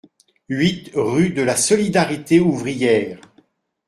huit rue de la Solidarité Ouvrière